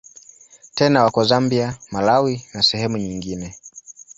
Tena wako Zambia, Malawi na sehemu nyingine.